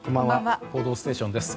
「報道ステーション」です。